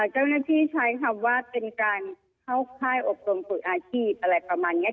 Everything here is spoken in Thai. เจ้าหน้าที่ใช้คำว่าเป็นการเข้าค่ายอบรมฝึกอาชีพอะไรประมาณนี้